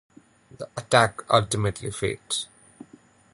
The attack ultimately failed.